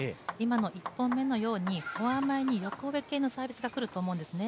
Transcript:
今の１本目のようにフォア前に横がけのサービスがくると思うんですね。